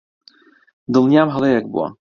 دڵنیام هەڵەیەک بووە.